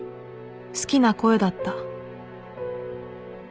好きな声だった